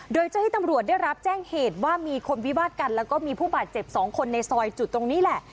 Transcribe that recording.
โดยเจ้าที่ตำรวจได้รับแจ้งเหตุว่ามีคนวิวาดกันแล้วก็มีผู้บาดเจ็บ๒คนในซอยจุดตรงนี้แหละ